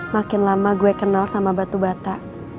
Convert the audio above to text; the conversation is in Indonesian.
makin lama gue kenal sama batu bata